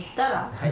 はい。